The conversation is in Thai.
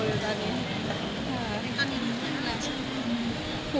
คุณสัมผัสดีครับ